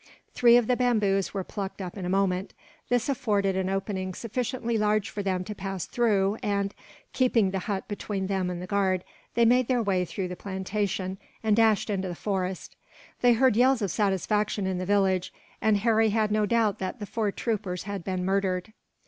Three of the bamboos were plucked up in a moment. This afforded an opening sufficiently large for them to pass through and, keeping the hut between them and the guard, they made their way through the plantation, and dashed into the forest. They heard yells of satisfaction in the village, and Harry had no doubt that the four troopers had been murdered.